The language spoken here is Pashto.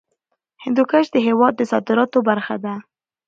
هندوکش د هېواد د صادراتو برخه ده.